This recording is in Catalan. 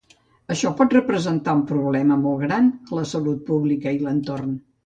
Això pot representar un problema molt gran a la salut pública i l'entorn.